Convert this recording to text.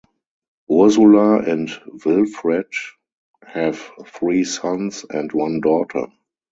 Ursula and Wilfred have three sons and one daughter.